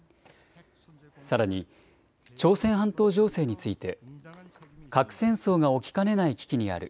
さらに朝鮮半島情勢について核戦争が起きかねない危機にある。